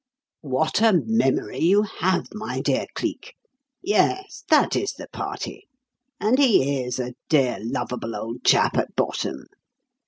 "What a memory you have, my dear Cleek. Yes, that is the party; and he is a dear, lovable old chap at bottom.